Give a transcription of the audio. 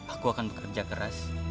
aku akan bekerja keras